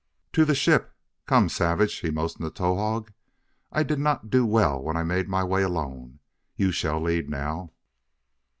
"To the ship! Come, savage!" he motioned to Towahg "I did not do well when I made my way alone. You shall lead now."